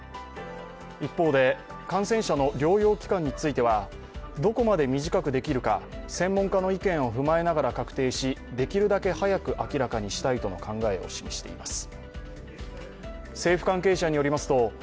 一方で、感染者の療養期間についてはどこまで短くできるか専門家の意見を踏まえながら確定しできるだけ早く明らかにしたいとの考えを示しています。